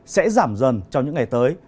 sẽ giảm dần trong những ngày tới